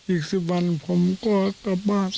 อีก๑๐วันผมก็กลับบ้าน